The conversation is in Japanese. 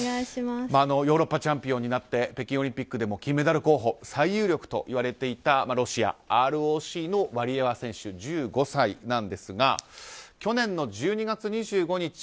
ヨーロッパチャンピオンになって北京オリンピックでも金メダル候補最有力といわれていたロシア、ＲＯＣのワリエワ選手１５歳なんですが去年の１２月２５日